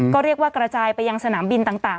ก็เรียกว่ากระจายไปยังสนามบินต่าง